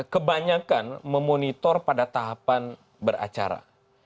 kebanyakan memonitor pada tahapan beracara